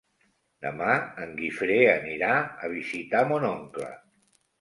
Demà en Guifré anirà a visitar mon oncle.